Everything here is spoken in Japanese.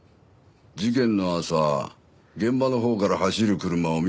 事件の朝現場のほうから走る車を見たってな。